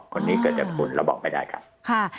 คนนี้เกิดจากคุณเราบอกไม่ได้ครับ